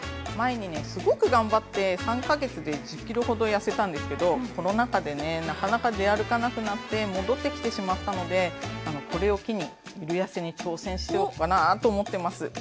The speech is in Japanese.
前にねすごく頑張って３か月で１０ｋｇほどやせたんですけどコロナ禍でねなかなか出歩かなくなって戻ってきてしまったのでこれを機にゆるやせに挑戦しようかなと思ってます。